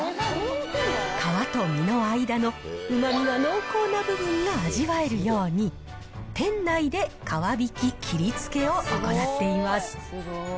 皮と身の間のうまみが濃厚な部分が味わえるように、店内で皮引き、切り付けを行っています。